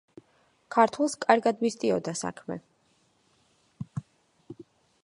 ქართველს კარგად მისდიოდა საქმე.